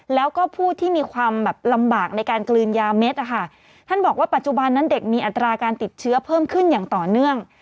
แล้วก็ผู้ที่มีความแบบลำบากในการกลืนยาเม็ดนะคะท่านบอกว่าปัจจุบันนั้นเด็กมีอัตราการติดเชื้อเพิ่มขึ้นอย่างต่อเนื่อง